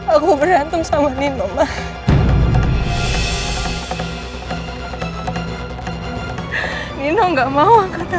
aku berantem sama nino mbak